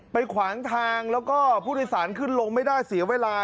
ขวางทางแล้วก็ผู้โดยสารขึ้นลงไม่ได้เสียเวลา